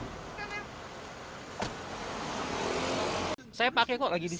tadi saya sarapan